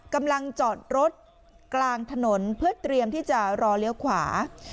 กำลังจอดรถกลางถนนเพื่อเตรียมที่จะรอเลี้ยวขวา